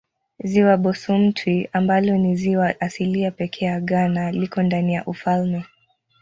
Ziwa Bosumtwi ambalo ni ziwa asilia pekee ya Ghana liko ndani ya ufalme.